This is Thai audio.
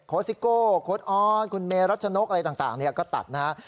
ซิโก้โค้ดออสคุณเมรัชนกอะไรต่างก็ตัดนะฮะ